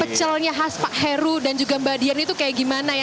pecelnya khas pak heru dan juga mbak dian itu kayak gimana ya